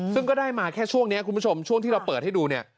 ซึ่งก็ได้มาแค่ช่วงนี้คุณผู้ชมช่วงที่เราเปิดให้ดูเนี่ย